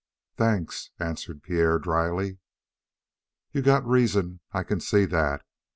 "Thanks," answered Pierre dryly. "You got reason; I can see that.